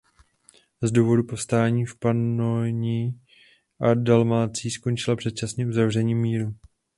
Z důvodu povstání v Panonii a Dalmácii skončila předčasně uzavřením míru.